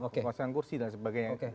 kekosongan kursi dan sebagainya